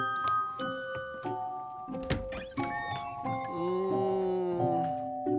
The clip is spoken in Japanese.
うん。